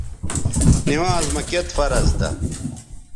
نِوانز مہ کِت فرض تھا